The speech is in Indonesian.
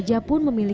masuk semacam ini